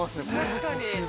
◆確かに。